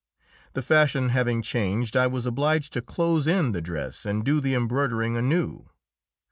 The fashion having changed, I was obliged to close in the dress and do the embroidering anew.